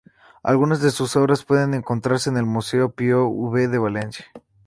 Algunas de sus obras pueden encontrarse en el Museo Pio V de Valencia